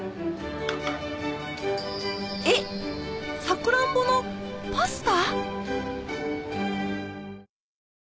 サクランボのパスタ？